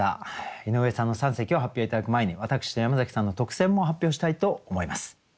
井上さんの三席を発表頂く前に私と山崎さんの特選も発表したいと思います。